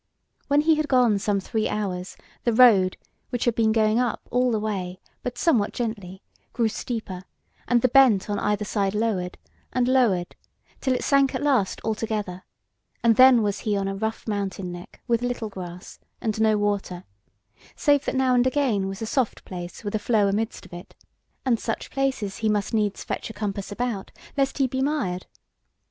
When he had gone some three hours, the road, which had been going up all the way, but somewhat gently, grew steeper, and the bent on either side lowered, and lowered, till it sank at last altogether, and then was he on a rough mountain neck with little grass, and no water; save that now and again was a soft place with a flow amidst of it, and such places he must needs fetch a compass about, lest he be mired.